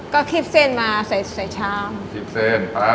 ก็โอเคค่ะ